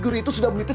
kalian dimana sih